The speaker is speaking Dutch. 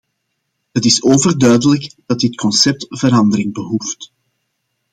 Het is overduidelijk dat dit concept verandering behoeft.